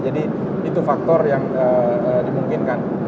jadi itu faktor yang dimungkinkan